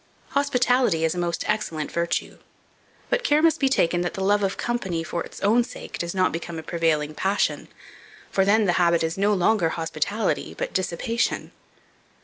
HOSPITALITY IS A MOST EXCELLENT VIRTUE; but care must be taken that the love of company, for its own sake, does not become a prevailing passion; for then the habit is no longer hospitality, but dissipation.